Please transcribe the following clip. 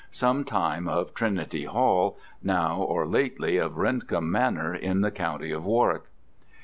some time of Trinity Hall, now, or lately, of Rendcomb Manor in the county of Warwick.